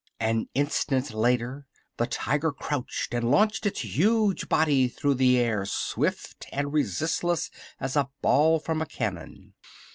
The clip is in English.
An instant later the Tiger crouched and launched its huge body through the air swift and resistless as a ball from a cannon.